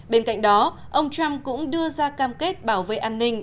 bên cạnh đó ông trump cũng đưa ra cam kết bảo vệ an ninh